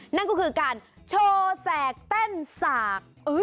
นั่นก็คือการโชว์แสกเต้นสาก